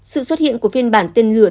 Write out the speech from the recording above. sự xuất hiện của phiên bản tên lửa